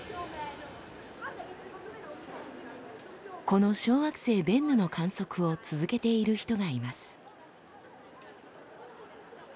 この小惑星ベンヌの観測を続けている人がいます。